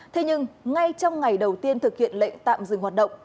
thế nhưng ngay trong ngày đầu tiên thực hiện lệnh tạm dừng hoạt động